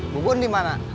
bu bun dimana